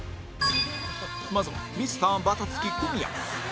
まずはミスターバタつき小宮